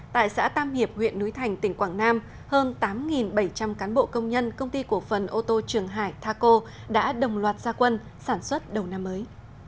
tại xã tam hiệp huyện núi thành tỉnh quảng nam hơn tám bảy trăm linh cán bộ công nhân công ty cổ phần ô tô trường hải thaco đã đồng loạt gia quân sản xuất đầu năm mới